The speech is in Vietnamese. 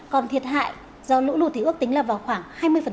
còn thiệt hại do lũ lụt ước tính vào khoảng hai mươi